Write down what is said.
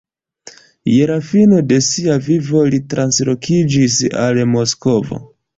Je la fino de sia vivo li translokiĝis al Moskvo.